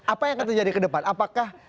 apa yang akan terjadi ke depan apakah